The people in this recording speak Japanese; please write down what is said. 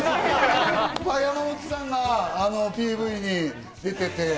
山本さんがＰＶに出ていて。